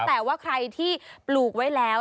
แต่ว่าใครที่ปลูกไว้แล้ว